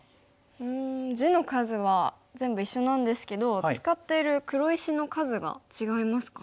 うん地の数は全部一緒なんですけど使ってる黒石の数が違いますかね。